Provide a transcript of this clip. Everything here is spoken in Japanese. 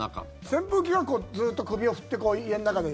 扇風機はずっと首を振って家の中で。